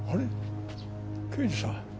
刑事さん